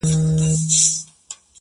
• ویاړلی بیرغ ,